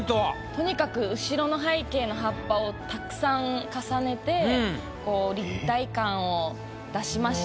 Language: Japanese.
とにかく後ろの背景の葉っぱをたくさん重ねて立体感を出しました。